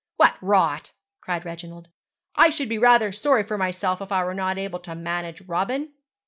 'What rot!' cried Reginald. 'I should be rather sorry for myself if I were not able to manage Robin.'